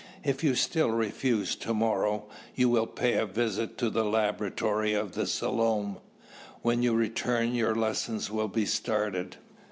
If you still refuse to morrow, you will pay a visit to the laboratory of the Selom. When you return your lessons will be started.